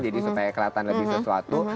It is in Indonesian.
jadi supaya kelihatan lebih sesuatu